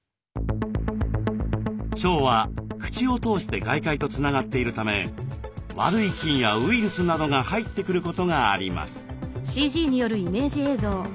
腸は口を通して外界とつながっているため悪い菌やウイルスなどが入ってくることがあります。